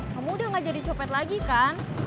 kamu udah gak jadi copet lagi kan